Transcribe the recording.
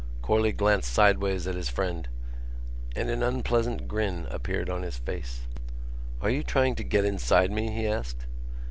Corley glanced sideways at his friend and an unpleasant grin appeared on his face. "Are you trying to get inside me?" he asked.